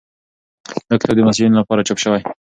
دا کتاب د محصلینو لپاره چاپ شوی دی.